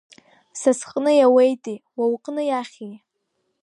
Са сҟны иауеитеи, уа уҟны иахьи?!